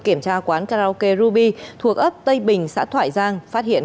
kiểm tra quán karaoke ruby thuộc ấp tây bình xã thoại giang